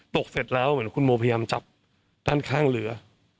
ตกเสร็จแล้วคุณโมพยายามจับด้านข้างเหลือ